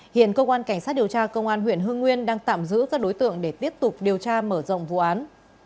hiện cơ quan cảnh sát điều tra công an huyện hương nguyên đang tạm giữ các đối tượng để tiếp tục điều tra mở rộng vụ án